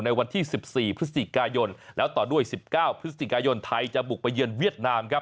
ในวันที่๑๔พฤศจิกายนแล้วต่อด้วย๑๙พฤศจิกายนไทยจะบุกไปเยือนเวียดนามครับ